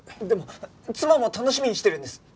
でも妻も楽しみにしてるんです